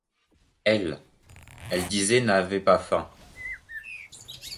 Elle, disait-elle, n’avait pas faim.